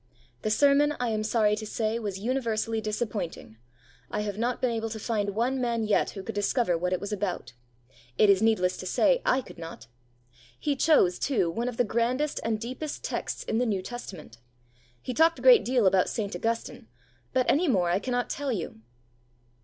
'The sermon, I am sorry to say, was universally disappointing. I have not been able to find one man yet who could discover what it was about. It is needless to say I could not. He chose, too, one of the grandest and deepest texts in the New Testament. He talked a great deal about St. Augustine, but any more I cannot tell you.'